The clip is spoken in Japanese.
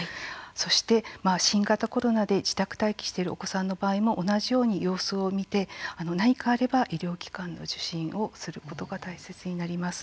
そして、新型コロナで自宅待機しているお子さんの場合も、同じように様子を見て何かあれば、医療機関の受診をすることが大切になります。